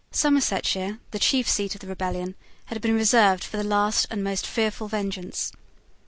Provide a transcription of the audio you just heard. Somersetshire, the chief seat of the rebellion, had been reserved for the last and most fearful vengeance.